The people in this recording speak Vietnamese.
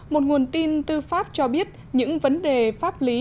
một nguồn tin tư pháp cho biết những vấn đề pháp lý